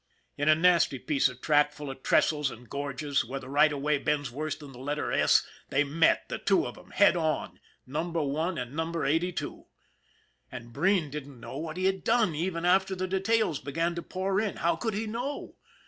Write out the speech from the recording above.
In a nasty piece of track, full of trestles and gorges, where the right of way bends worse than the letter S, they met, the two of them, head on Number One and Number Eighty Two ! And Breen didn't know what he had done even after the details began to pour in. How could he know?